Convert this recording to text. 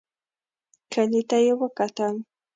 کلي ته يې وکتل.